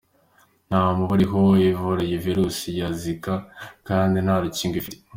Nta muti uriho uvura iyi Virus ya Zika kandi nta n’urukingo ifite.